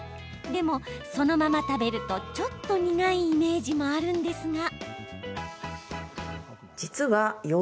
でも、そのまま食べるとちょっと苦いイメージもあるんですが。